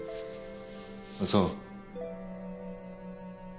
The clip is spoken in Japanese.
そう。